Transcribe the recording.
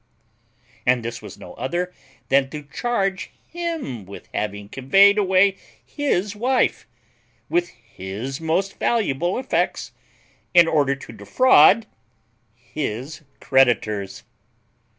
And this was no other than to charge him with having conveyed away his wife, with his most valuable effects, in order to defraud his creditors.